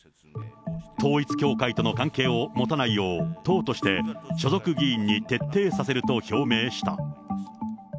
統一教会との関係を持たないよう、党として所属議員に徹底させると表明した。